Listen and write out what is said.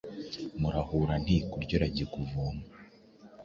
Murahura ,ntikurya ! urajye kuvoma ,